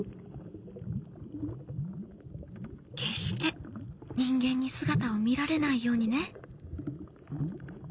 「決して人間に姿を見られないようにね」。